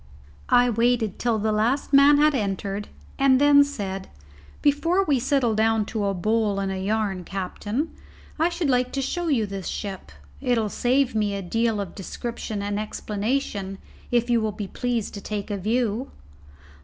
I waited till the last man had entered, and then said, "Before we settle down to a bowl and a yarn, captain, I should like to show you this ship. It'll save me a deal of description and explanation if you will be pleased to take a view."